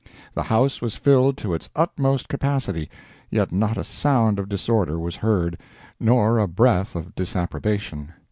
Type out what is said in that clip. The house was filled to its utmost capacity, yet not a sound of disorder was heard, nor a breath of disapprobation.